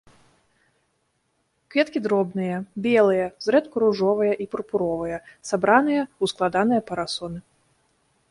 Кветкі дробныя, белыя, зрэдку ружовыя і пурпуровыя, сабраныя у складаныя парасоны.